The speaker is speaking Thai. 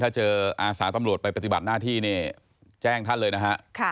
ถ้าเจออาสาตำรวจไปปฏิบัติหน้าที่นี่แจ้งท่านเลยนะฮะ